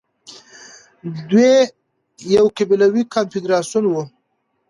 دوی يو قبيلوي کنفدراسيون وو